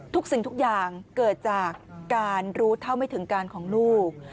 สิ่งทุกอย่างเกิดจากการรู้เท่าไม่ถึงการของลูก